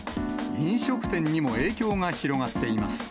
飲食店にも影響が広がっています。